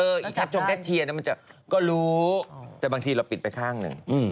อีกชัดชมแค่เชียร์ก็รู้แต่บางทีเราปิดไปข้างหนึ่ง